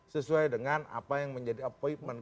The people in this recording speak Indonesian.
sesuai dengan apa yang menjadi appointment